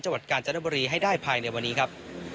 จังหวัดกาญจนบุรีให้ได้ภายในวันนี้ครับ